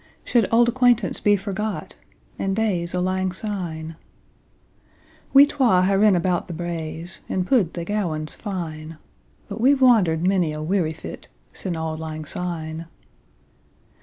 Should auld acquaintance be forgot, And days o' lang syne? We twa hae rin about the braes, 5 And pu'd the gowans fine; But we've wander'd monie a weary fit Sin' auld lang syne.